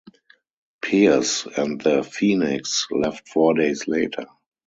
Pearse and the "Phoenix" left four days later.